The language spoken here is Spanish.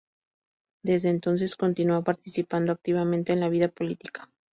Desde entonces, continua participando activamente en la vida política.